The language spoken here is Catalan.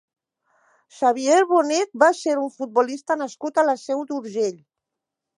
Xavier Bonet va ser un futbolista nascut a la Seu d'Urgell.